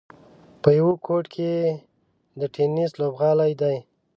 په یوه ګوټ کې یې د ټېنس لوبغالی دی.